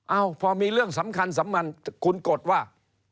เอ้าพอมีเรื่องสำคัญสำคัญคุณกดว่า